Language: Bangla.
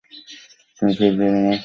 তিনি ফেব্রুয়ারি মাসে জন্মগ্রহণ করেন।